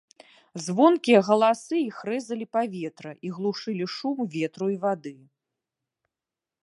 Звонкія галасы іх рэзалі паветра і глушылі шум ветру і вады.